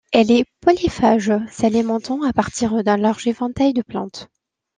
Elle est polyphage, s'alimentant à partir d'un large éventail de plantes.